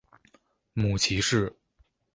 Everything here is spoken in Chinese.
母齐氏。